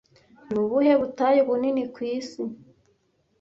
Nubuhe butayu bunini ku isi